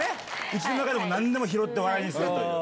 家の中でも何でも拾って笑いにするという。